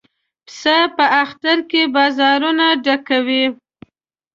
پسه په اختر کې بازارونه ډکوي.